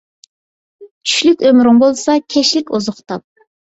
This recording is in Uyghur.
چۈشلۈك ئۆمرۈڭ بولسا، كەچلىك ئوزۇق تاپ.